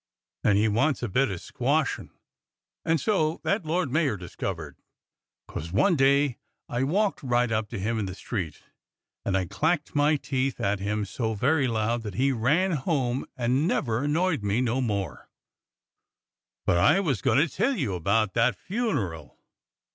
^ and he wants a bit of squashin', and so that lord mayor discovered, 'cos one day I walked right up to him in the street and I clacked my teeth at him so very loud that he ran home and never annoyed THE SEXTON SPEAKS 181 me no more. But I was a goin' to tell you about that funeral.